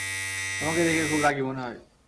তোমাকে দেখে খুব রাগী মনে হয়।